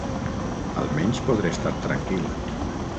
Almenys podré estar tranquil.